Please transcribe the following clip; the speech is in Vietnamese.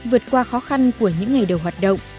vượt qua khó khăn của những ngày đầu hoạt động